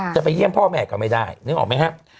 จะไปเยี่ยมพ่อแม่ก็ไม่ได้นึกออกไหมครับ